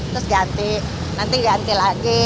terus ganti nanti ganti lagi